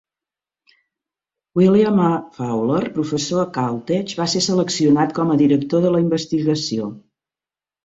William A. Fowler, professor a Caltech, va ser seleccionat com a director de la investigació.